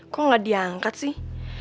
kok gak diangkat sih